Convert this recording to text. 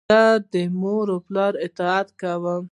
زه د مور و پلار اطاعت کوم.